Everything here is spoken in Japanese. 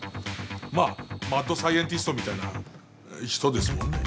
まあマッドサイエンティストみたいな人ですもんね。